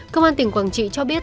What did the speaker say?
công an tỉnh quảng trị cho biết